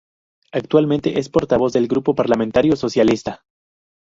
Actualmente es portavoz del Grupo Parlamentario Socialista.